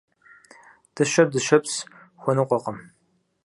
Дыщэр дыщэпс хуэныкъуэкъым.